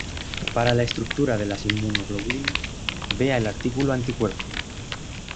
Para la estructura de las Inmunoglobulinas vea el artículo anticuerpo.